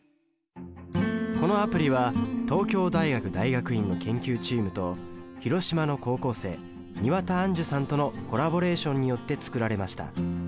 このアプリは東京大学大学院の研究チームと広島の高校生庭田杏珠さんとのコラボレーションによって作られました。